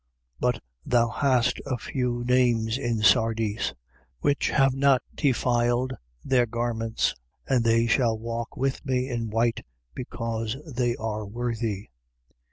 3:4. But thou hast a few names in Sardis which have not defiled their garments: and they shall walk with me in white, because they are worthy.